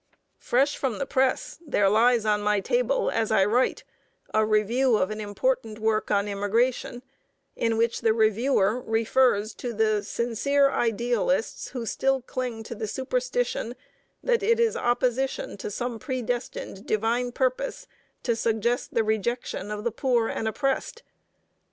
Fresh from the press, there lies on my table, as I write, a review of an important work on immigration, in which the reviewer refers to the "sincere idealists who still cling to the superstition that it is opposition to some predestined divine purpose to suggest the rejection of the 'poor and oppressed.'"